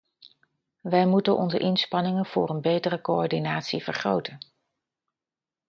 Wij moeten onze inspanningen voor een betere coördinatie vergroten.